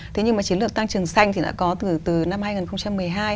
thế nhưng mà chiến lược tăng trưởng xanh thì đã có từ năm hai nghìn một mươi hai